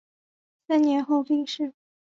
三年后病逝。